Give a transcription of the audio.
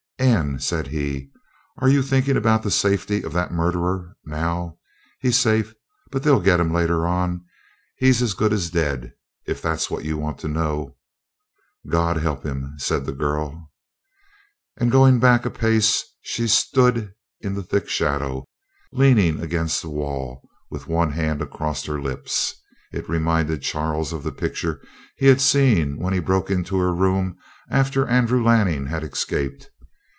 "Anne," said he, "are you thinking about the safety of that murderer now? He's safe, but they'll get him later on; he's as good as dead, if that's what you want to know." "God help him!" said the girl. And going back a pace, she stood in the thick shadow, leaning against the wall, with one hand across her lips. It reminded Charles of the picture he had seen when he broke into her room after Andrew Lanning had escaped.